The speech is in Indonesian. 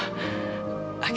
ya udah selalu berhenti